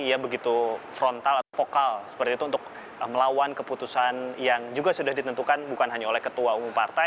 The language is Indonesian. ia begitu frontal atau vokal seperti itu untuk melawan keputusan yang juga sudah ditentukan bukan hanya oleh ketua umum partai